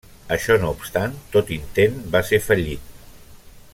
Això no obstant, tot intent va ser fallit.